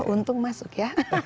untung masuk ya